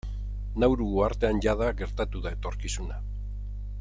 Nauru uhartean jada gertatu da etorkizuna.